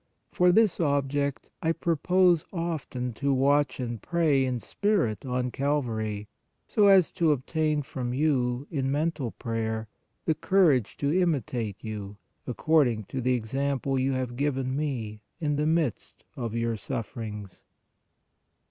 For this object / 1 purpose often to watch and pray in spirit on Cal I vary, so as to obtain from you, in mental prayer, the I courage to imitate you, according to the example you have given me in the midst of your suffer ings.